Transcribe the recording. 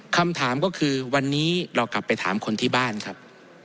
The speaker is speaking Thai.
คำถามก็คือวันนี้เรากลับไปถามคนที่บ้านครับ